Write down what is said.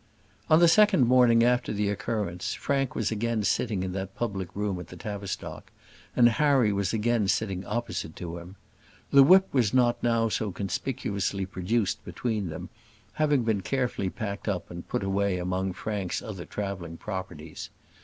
On the second morning after this occurrence, Frank was again sitting in that public room at the Tavistock, and Harry was again sitting opposite to him. The whip was not now so conspicuously produced between them, having been carefully packed up and put away among Frank's other travelling properties.